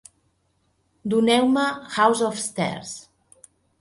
Doneu-me "House of Stairs"